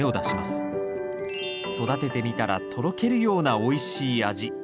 育ててみたらとろけるようなおいしい味。